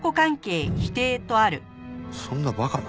そんな馬鹿な。